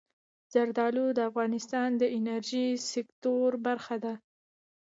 زردالو د افغانستان د انرژۍ سکتور برخه ده.